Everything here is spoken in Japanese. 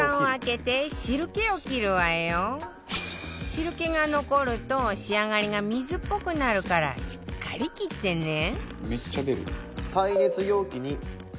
汁気が残ると仕上がりが水っぽくなるからしっかり切ってね